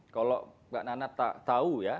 kalau mbak nana tahu ya